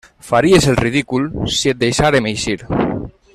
Faries el ridícul si et deixàrem eixir.